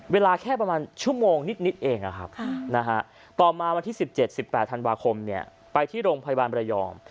เวลาแค่ประมาณชั่วโมงนิดเองต่อมาวันที่๑๗๑๘ธันวาคมไปที่โรงพยาบาลบรยอง